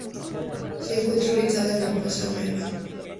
Se encuentra ubicado en la Plaza Nueva.